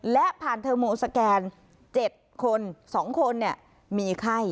และผ่านเทอร์โมสแกน๗คน๒คนมีไข้